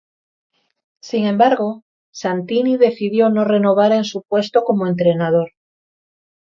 Sin embargo, Santini decidió no renovar en su puesto como entrenador.